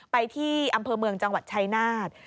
ไปที่อำเภอเมืองจังหวัดชายนาฏ